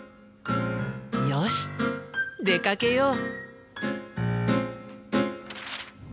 よし出かけよう。